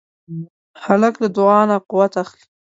هلک له دعا نه قوت اخلي.